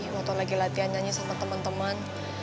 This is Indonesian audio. waktu lagi latihan nyanyi sama temen temen